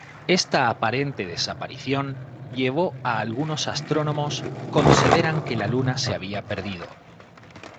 Esta aparente desaparición llevó a algunos astrónomos consideran que la luna se había perdido.